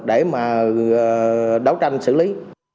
công an nắm được để mà đấu tranh xử lý